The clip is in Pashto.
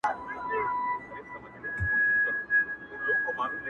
له ورک یوسفه تعبیرونه غوښتل!.